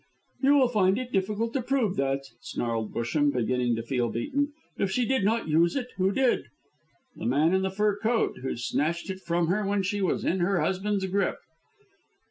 "You will find it difficult to prove that," snarled Busham, beginning to feel beaten. "If she did not use it, who did?" "The man in the fur coat, who snatched it from her when she was in her husband's grip."